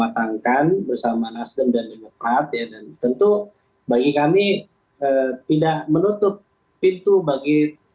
tidak menutup pintu bagi